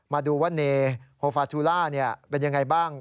มาดูว่าเนธโฟฟาตูล่าเป็นอย่างไรบ้าง